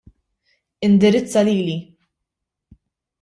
Indirizza lili.